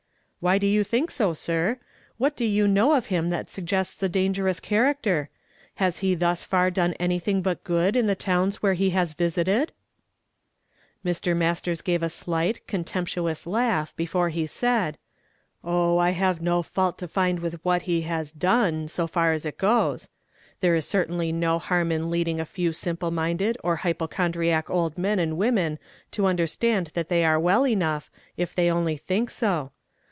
"Why do you think so, sir? What do you know of him that suggests a dangerous eliaracter? Has he thus far done anything but good in the towns where he has visited ?" Mr. Masters gave a slight, contemptuous laugh, before he said, " Oh, I have no fault to find with wliat he has done, so far as it goes. There is cer tainly no harm in leading a few simple minded or hypochondriac old men and women to ujiderstand that they are well enough, if they only think so.